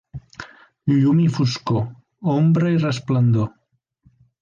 Llum i foscor, ombra i resplendor.